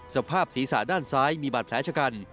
สภาพศีรษะด้านซ้ายมีบาดแผลชะกัน